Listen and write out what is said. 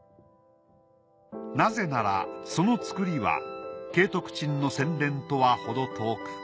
なぜならそのつくりは景徳鎮の洗練とは程遠く